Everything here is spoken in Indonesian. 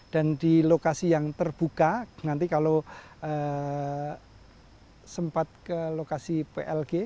dan di lokasi yang terbuka nanti kalau sempat ke lokasi plg